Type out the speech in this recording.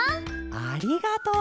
「ありがとう」かあ！